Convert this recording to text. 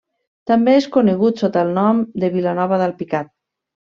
També és conegut sota el nom de Vilanova d'Alpicat.